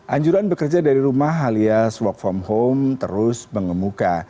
anjuran bekerja dari rumah alias work from home terus mengemuka